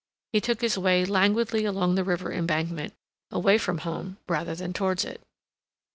He took his way languidly along the river embankment, away from home rather than towards it.